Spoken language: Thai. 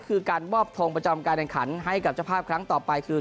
คือการมอบทงประจำการแข่งขันให้กับเจ้าภาพครั้งต่อไปคือ